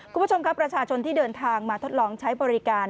คุณผู้ชมครับประชาชนที่เดินทางมาทดลองใช้บริการ